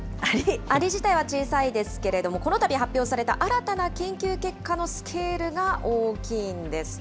アリ自体は小さいですけれども、このたび発表された新たな研究結果のスケールが大きいんです。